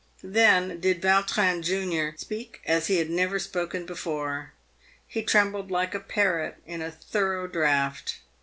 Then did Yautrin, junior, speak as he had never spoken before. He trembled like a parrot in a thorough draught.